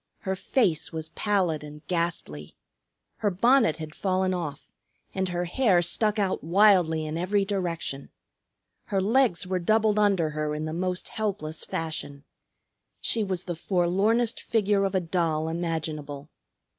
Her face was pallid and ghastly. Her bonnet had fallen off, and her hair stuck out wildly in every direction. Her legs were doubled under her in the most helpless fashion. She was the forlornest figure of a doll imaginable.